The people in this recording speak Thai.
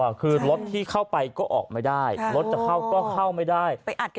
คือรถที่เข้าไปก็ออกไม่ได้รถจะเข้าก็เข้าไม่ได้ไปอัดแก